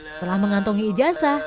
setelah mengantongi ijazah